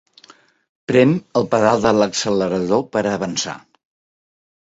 Prem el pedal de l'accelerador per avançar.